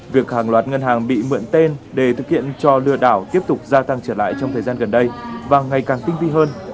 việc hàng loạt ngân hàng bị mượn tên để thực hiện cho lừa đảo tiếp tục gia tăng trở lại trong thời gian gần đây và ngày càng tinh vi hơn